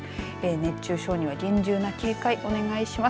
熱中症には厳重な警戒お願いします。